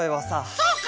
そうか！